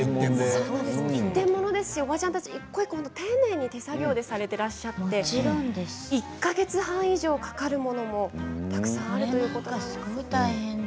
一点物でおばちゃんたち手作業で作業されていて１か月半以上かかるものもたくさんあるということです。